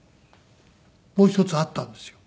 もう１つあったんですよ。